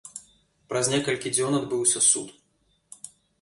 Праз некалькі дзён адбыўся суд.